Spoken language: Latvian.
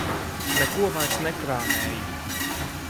Neko vairs nekrāmēju.